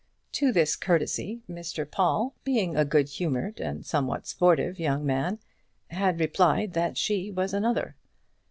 To this courtesy Mr Paul, being a good humoured and somewhat sportive young man, had replied that she was another.